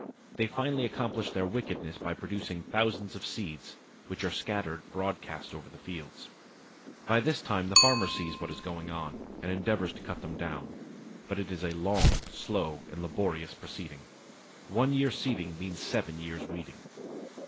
They finally accomplish their wickedness by producing thousands of seeds, which are scattered broadcast over the fields. By this time the farmer sees what is going on, and endeavours to cut them down; but it is a long, slow, and laborious proceeding. One year's seeding means seven years' weeding.